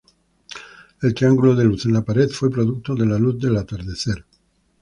El triángulo de luz en la pared fue producto de la luz del atardecer.